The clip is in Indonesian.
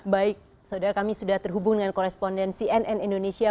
baik saudara kami sudah terhubung dengan koresponden cnn indonesia